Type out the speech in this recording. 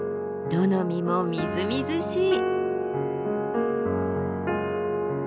どの実もみずみずしい。